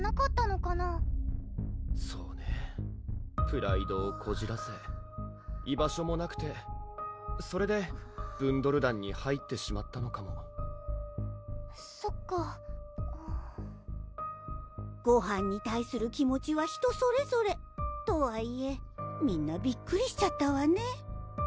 プライドをこじらせ居場所もなくてそれでブンドル団に入ってしまったのかもそっかごはんに対する気持ちは人それぞれとはいえみんなびっくりしちゃったわね